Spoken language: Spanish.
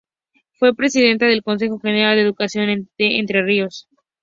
Fue Presidenta del Consejo General de Educación de Entre Ríos.